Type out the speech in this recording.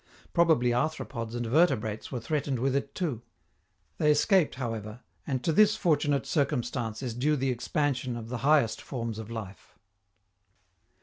Probably arthropods and vertebrates were threatened with it too. They escaped, however, and to this fortunate circumstance is due the expansion of the highest forms of life.